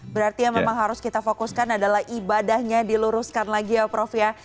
berarti yang memang harus kita fokuskan adalah ibadahnya diluruskan lagi ya prof ya